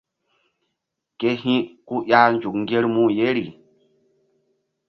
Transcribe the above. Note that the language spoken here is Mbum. Ke hi̧ ku ƴah nzuk ŋgermu yeri.